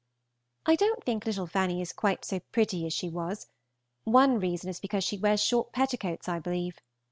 I don't think little Fanny is quite so pretty as she was; one reason is because she wears short petticoats, I believe.